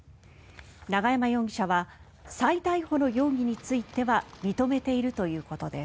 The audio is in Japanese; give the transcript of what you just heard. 永山容疑者は再逮捕の容疑については認めているということです。